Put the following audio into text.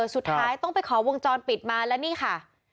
สุดท้ายต้องไปขอวงจรปิดมาแล้วนี่ค่ะ